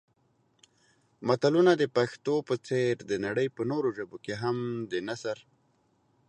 متلونه د پښتو په څېر د نړۍ په نورو ژبو کې هم د نثر